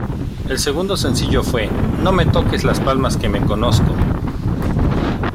El segundo sencillo fue "¡No me toques las palmas que me conozco!